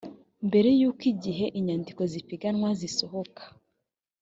mbere y’uko igihe inyandiko z’ipiganwa zisohoka